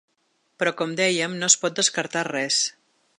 Però com dèiem, no es pot descartar res.